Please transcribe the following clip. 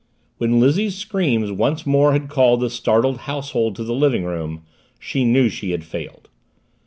When Lizzie's screams once more had called the startled household to the living room, she knew she had failed.